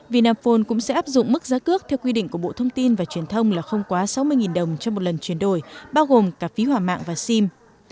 vinaphone cũng sẽ áp dụng mức giá cước theo quy định của bộ thông tin và truyền thông là không quá sáu mươi đồng trong một lần chuyển đổi bao gồm cả phí hỏa mạng và sim